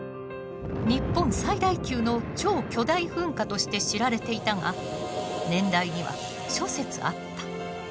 日本最大級の超巨大噴火として知られていたが年代には諸説あった。